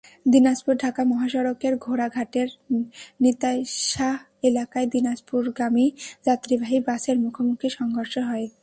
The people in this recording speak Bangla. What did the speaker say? দিনাজপুর-ঢাকা মহাসড়কের ঘোড়াঘাটের নিতাইশাহ এলাকায় দিনাজপুরগামী যাত্রীবাহী বাসের মুখোমুখি সংঘর্ষ হয়।